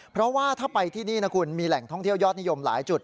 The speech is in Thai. เพราะว่าถ้าไปที่นี่นะคุณมีแหล่งท่องเที่ยวยอดนิยมหลายจุด